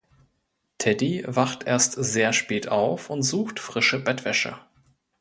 Teddy wacht erst sehr spät auf und sucht frische Bettwäsche.